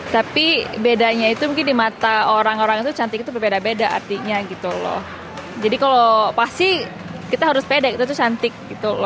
tapi bedanya ada di mata orang orang itu cantik itu berbeda beda artinya jadi kalau pasti kita harus pendek yaitu cantik gitu